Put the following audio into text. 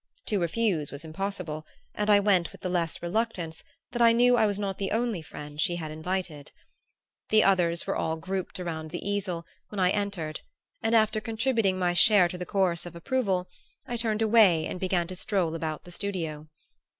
To refuse was impossible, and I went with the less reluctance that I knew I was not the only friend she had invited. The others were all grouped around the easel when I entered, and after contributing my share to the chorus of approval I turned away and began to stroll about the studio.